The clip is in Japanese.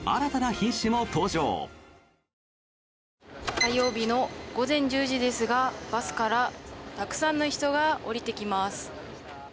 火曜日の午前１０時ですがバスからたくさんの人が降りてきます。